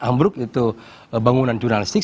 ambruk itu bangunan jurnalistik